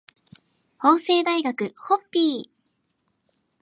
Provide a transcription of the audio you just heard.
法政大学ホッピー